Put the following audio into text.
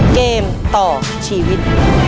เกมต่อชีวิต